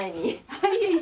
はい。